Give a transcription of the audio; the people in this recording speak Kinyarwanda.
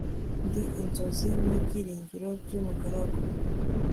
Ndi inzozi nibyiringiro byumugaragu